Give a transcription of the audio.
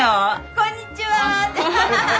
こんにちは！って。